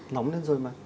nóng lên rồi mà